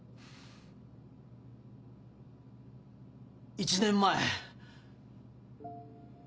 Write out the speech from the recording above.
１年前。